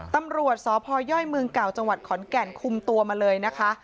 ตำรวจสพย่อยเมืองเก่าจังหวัดขอนแก่นคุมตัวมาเลยนะคะ